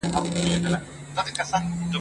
زه مخکي مېوې خوړلي وه!!